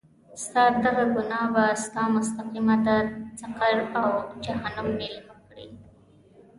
ستا دغه ګناه به تا مستقیماً د سقر او جهنم میلمه کړي.